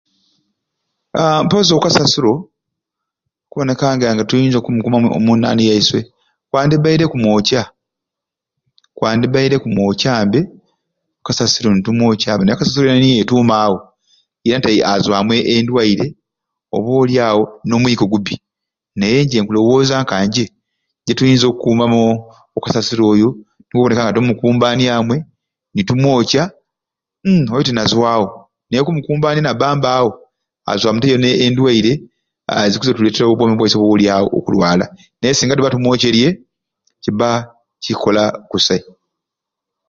Aaa mpozi o kasasiro okuboneka nga tulinza okumukuuma omu naani yaiswe kwandibbaire kumwokya kwandibbaire kumwokya mbe okasasiro ni tumwokya mbe naye o kasasiro niye tuuma awo yeena te azwamu endwaire ob'olyawo n'omwika ogubbi naye nje nkulowooza nka nje gyetuyinza okukuumamu o kasasiro oyo ne tuboneka nga tumukumbania amwe ni tumwokya uum oyo te nazwawo naye okumukumbania nabba mbe awo azwamu te yeena endwaire aa eziyinza okutuleetera obwomi bwaiswe ob'olyawo okulwala naye singa tubba tumwokyerye kibba kikkola kusai.